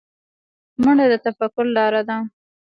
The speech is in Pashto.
منډه د تفکر لاره ده